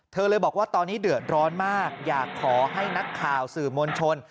เลยบอกว่าตอนนี้เดือดร้อนมากอยากขอให้นักข่าวสื่อมวลชน